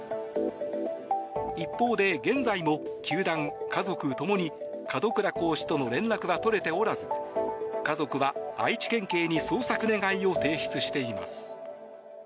一方で、現在も球団・家族ともに門倉コーチとの連絡は取れておらず家族は愛知県警に捜索願を提出しています。